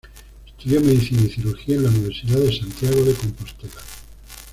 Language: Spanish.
Estudió Medicina y Cirugía en la Universidad de Santiago de Compostela.